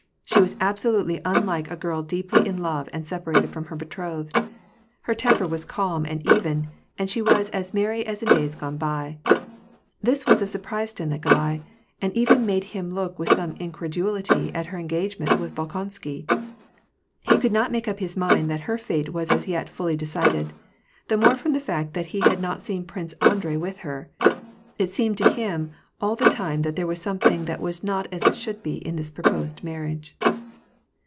She was absolutely unlike a girl deeply in love and separated from her betrothed. Her temper was calm and even, and she was as merry as in days gone by. This was a surprise to Nikolai, and even made him look with some incredulity at her engage ment with Bolkonsky. He could not make up his mind thiat her fate was as yet fully decided, the more from the fact that he had not seen Prince Andrei with her. It seemed to him all the time that there was something that was not as it should be in this proposed marriage.